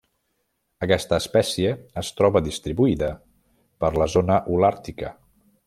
Aquesta espècie es troba distribuïda per la zona holàrtica.